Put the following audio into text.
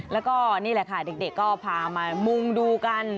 แล้วก็นี่แหละค่ะเด็กก็พามามุ่งดูกัน